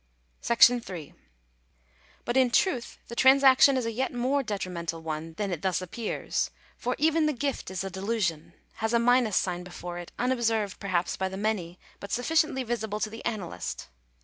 §8. But in truth the transaction is a yet more detrimental one than it thus appears, for even the gift is a delusion — has a minus sign before it, unobserved, perhaps, by the many, but sufficiently visible to the analyst.